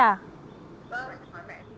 vâng mẹ chào mẹ